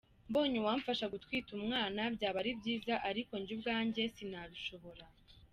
Mbonye uwamfasha gutwita umwana byaba ari byiza ariko njye ubwanjye sinabishobora.